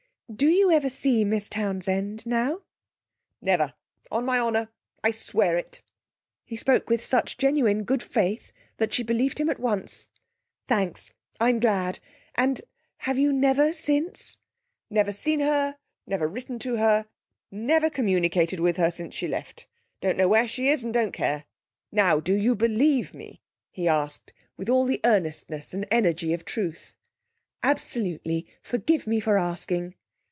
Do you ever see Miss Townsend now?' 'Never, on my honour! I swear it.' He spoke with such genuine good faith that she believed him at once. 'Thanks. I'm glad. And have you never since ' 'Never seen her, never written to her, never communicated with her since she left! Don't know where she is and don't care. Now you do believe me?' he asked, with all the earnestness and energy of truth. 'Absolutely. Forgive me for asking.'